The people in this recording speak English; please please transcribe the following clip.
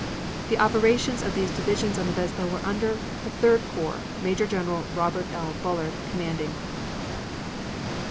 The operations of these divisions on the Vesle were under the Third Corps, Maj. Gen. Robert L. Bullard, commanding.